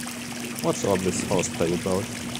What's all this horseplay about?